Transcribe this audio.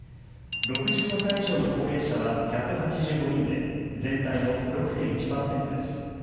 ６５歳以上の高齢者は１８５人で全体の６．１％です。